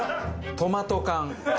トマト缶。